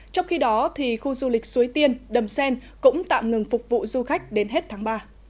trong khi đó khu du lịch suối tiên đầm sen cũng tạm ngừng phục vụ du khách đến hết tháng ba